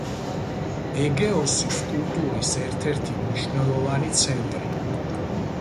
ეგეოსის კულტურის ერთ-ერთი მნიშვნელოვანი ცენტრი.